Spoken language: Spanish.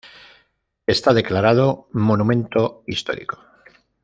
Está declarado Monumento Histórico.